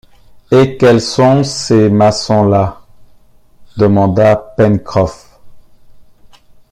Et quels sont ces maçons-là? demanda Pencroff.